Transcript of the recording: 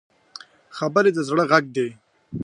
خبرې د زړه غږ دی